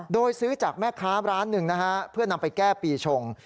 โดยซื้อจากแม่ค้าร้านหนึ่งนะฮะเพื่อนำไปแก้ปีชง